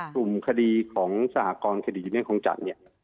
กลุ่มคดีของสหกรณ์คดีจิตเนี่ยของจัดเนี่ย